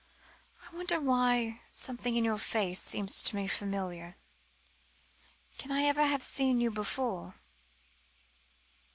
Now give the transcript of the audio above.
"I wonder why something in your face seems to me familiar. Can I ever have seen you before?"